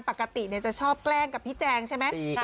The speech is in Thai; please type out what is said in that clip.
ปกติจะชอบแกล้งกับพี่แจงใช่ไหม